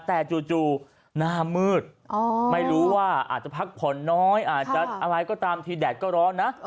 แต่จู่หน้ามืดไม่รู้ว่าอาจจะพักผ่อนน้อยอาจจะอะไรก็ตามทีแดดก็ร้อนนะ